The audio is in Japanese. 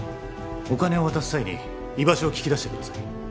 お金を渡す際に居場所を聞き出してください